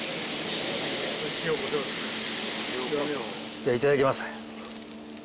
じゃあいただきます。